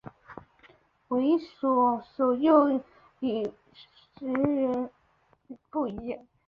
学为所用与学为‘装饰’不一样